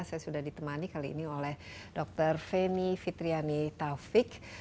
saya sudah ditemani kali ini oleh dr feni fitriani taufik